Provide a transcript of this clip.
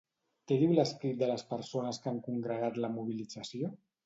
Què diu lescrit de les persones que han congregat la mobilització?